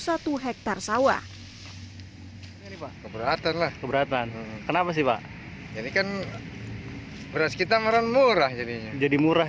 satu hektare sawah keberatan lah keberatan kenapa sih pak beras kita merang murah jadinya jadi murah